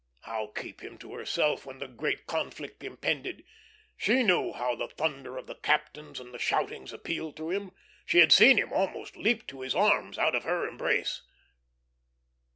How keep him to herself when the great conflict impended? She knew how the thunder of the captains and the shoutings appealed to him. She had seen him almost leap to his arms out of her embrace.